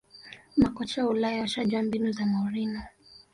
makocha wa ulaya washajua mbinu za mourinho